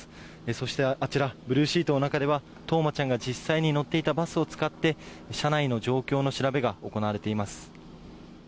そして、あちらブルーシートの中では冬生ちゃんが実際に乗っていたバスを使って車内の状況の調べが行われています。